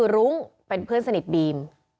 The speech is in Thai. รุ้งเป็นเพื่อนสนิทบีม